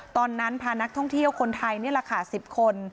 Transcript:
ตอนนั้นพานักท่องเที่ยวคนไทยนี่แหละค่ะ๑๐คน